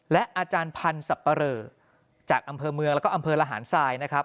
และอาจารย์พันธ์สับปะเรอจากอำเภอเมืองแล้วก็อำเภอระหารทรายนะครับ